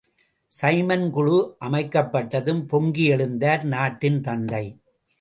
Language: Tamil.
சைமன் குழு அமைக்கப்பட்டதும் பொங்கி யெழுந்தார் நாட்டின் தந்தை.